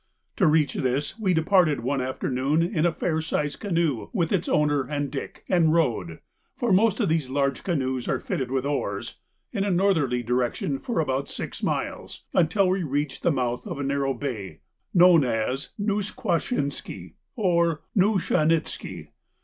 To reach this we departed one afternoon in a fair sized canoe with its owner and Dick, and rowed (for most of these large canoes are fitted with oars) in a northerly direction for about six miles, till we reached the mouth of a narrow bay known as Nusquashinsky or Nushanitzky.